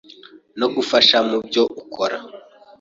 no kugufasha mu byo ukora.